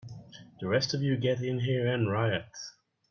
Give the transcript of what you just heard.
The rest of you get in here and riot!